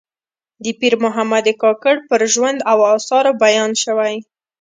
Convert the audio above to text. د پیر محمد کاکړ پر ژوند او آثارو بیان شوی.